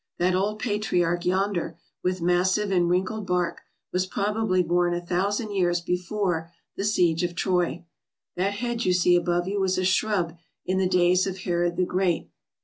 That old patriarch yonder, with massive and wrinkled bark, was probably born a thousand years before the siege of Troy. That head you see above you was a shrub in the days of Herod the Great.